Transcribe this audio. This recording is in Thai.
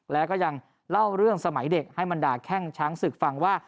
แล้วก็ยังเล่าเรื่องสมัยเด็กให้บรรดาแข้งช้างศึกฟังว่า